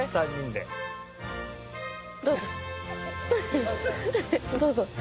どうぞ。